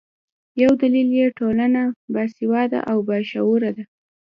یو دلیل یې ټولنه باسواده او باشعوره ده.